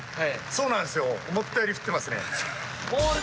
そうなんすよ